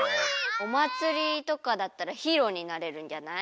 おまつりとかだったらヒーローになれるんじゃない？